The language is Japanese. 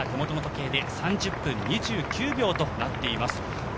手元の時計で３０分２９秒となっています。